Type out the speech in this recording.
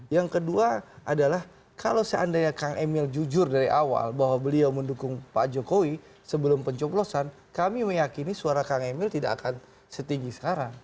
yang kedua adalah kalau seandainya kang emil jujur dari awal bahwa beliau mendukung pak jokowi sebelum pencoblosan kami meyakini suara kang emil tidak akan setinggi sekarang